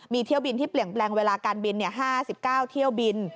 มีเที่ยวบินที่เปลี่ยนแปลงเวลาการบิน๕๙เที่ยวบิน